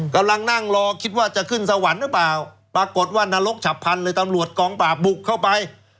กำลังนั่งรอคิดว่าจะขึ้นสวรรค์หรือเปล่าปรากฏว่านรกฉับพันธุ์เลยตำรวจกองปราบบุกเข้าไป